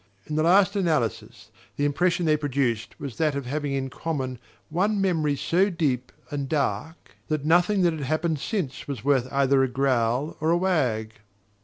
In the last analysis, the impression they produced was that of having in common one memory so deep and dark that nothing that had happened since was worth either a growl or a wag.